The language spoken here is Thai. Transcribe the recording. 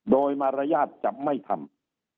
โดยมารยาทจะไม่ทำ